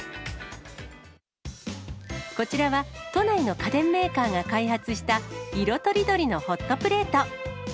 こちらは、都内の家電メーカーが開発した、色とりどりのホットプレート。